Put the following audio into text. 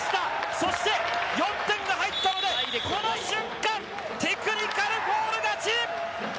そして、４点が入ったのでこの瞬間テクニカルフォール勝ち！